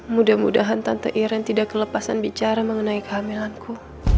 mudah mudahan tante iran tidak kelepasan bicara mengenai kehamilanku